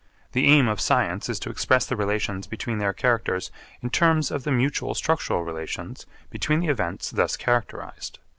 The aim of science is to express the relations between their characters in terms of the mutual structural relations between the events thus characterised.